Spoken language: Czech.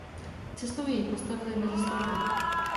Cestou jej postavili mezi sloupy.